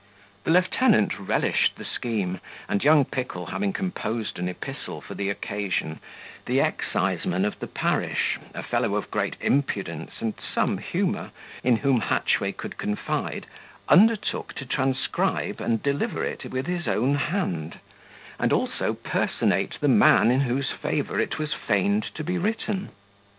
The lieutenant relished the scheme and young Pickle having composed an epistle for the occasion, the exciseman of the parish, a fellow of great impudence and some humour, in whom Hatchway could confide, undertook to transcribe and deliver it with his own hand, and also personate the man in whose favour it was feigned to be written.